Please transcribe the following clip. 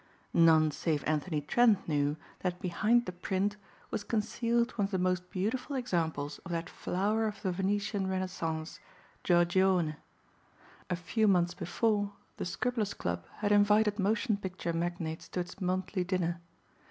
None save Anthony Trent knew that behind the print was concealed one of the most beautiful examples of that flower of the Venetian Renaissance, Giorgione. A few months before the Scribblers' Club had invited motion picture magnates to its monthly dinner.